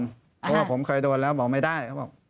เพราะว่าผมเคยโดนแล้วบอกไม่ได้